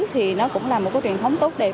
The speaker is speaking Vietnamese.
thì nó cũng là một truyền thống tốt đẹp